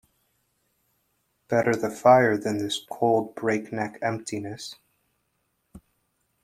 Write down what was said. Better the fire than this cold breakneck emptiness.